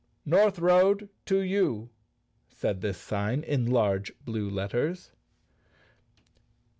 "North Road to U," said this sign, in large blue let¬ ters.